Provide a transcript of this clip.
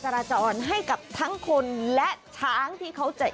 จราจรให้กับทั้งคนและช้างที่เขาจะ